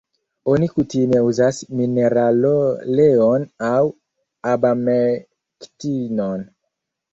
Oni kutime uzas mineraloleon aŭ abamektinon.